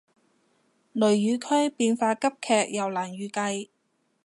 雷雨區變化急劇又難預計